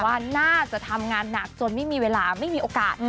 ว่าน่าจะทำงานหนักจนไม่มีเวลาไม่มีโอกาส